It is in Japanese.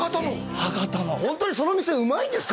博多もホントにその店うまいんですか？